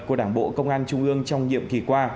của đảng bộ công an trung ương trong nhiệm kỳ qua